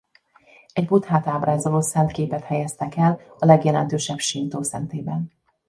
Egy Buddhát ábrázoló szent képet helyeztek el a legjelentősebb Sintó szentélyben.